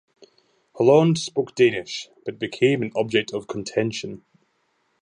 Halland spoke Danish, but it became an object of contention.